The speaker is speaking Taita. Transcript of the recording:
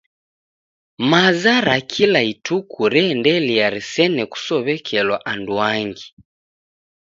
Maza ra kila ituku reendelia risene kusow'ekelwa anduangi.